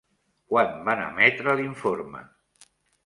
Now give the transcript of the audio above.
Quan van emetre l'informe?